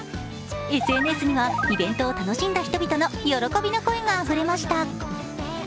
ＳＮＳにはイベントを楽しんだ人の喜びの声があふれました。